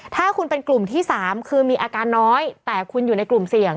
ถ้าคุณเป็นกลุ่มที่๓คือมีอาการน้อยแต่คุณอยู่ในกลุ่มเสี่ยง